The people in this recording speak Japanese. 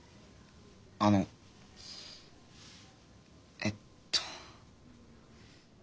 あのえっと。